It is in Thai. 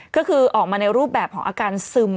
ก็คือออกมาในรูปแบบของอาการซึม